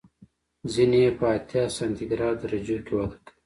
ځینې یې په اتیا سانتي ګراد درجو کې وده کوي.